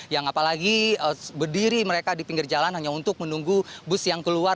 yang apalagi berdiri mereka di pinggir jalan hanya untuk menunggu bus yang keluar